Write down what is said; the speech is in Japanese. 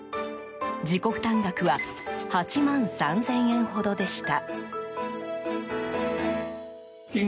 自己負担額は８万３０００円ほどでした。